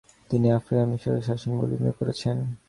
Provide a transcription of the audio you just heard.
তিনি আফ্রিকায় মিশরের শাসন বর্ধিত করেছেন।